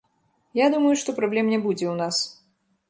Я думаю, што праблем не будзе ў нас.